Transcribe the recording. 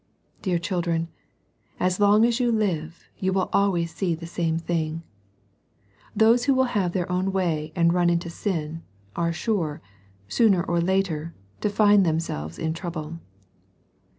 Dear children, as long as you live, you will always see the same thing. Those who will have their own way and run into sin, are sure, sooner or later, to find themselves in trouble.